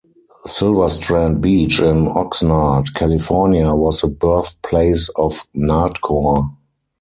Silverstrand Beach in Oxnard, California was the birthplace of Nardcore.